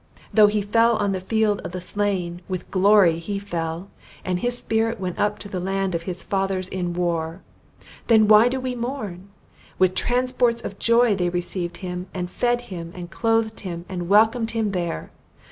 Though he fell on the field of the slain, with glory he fell, and his spirit went up to the land of his fathers in war! Then why do we mourn? With transports of joy they received him, and fed him, and clothed him, and welcomed him there!